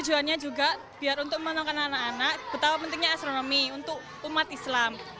tujuannya juga biar untuk menentukan anak anak betapa pentingnya astronomi untuk umat islam